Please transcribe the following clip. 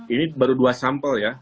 ini baru dua sampel ya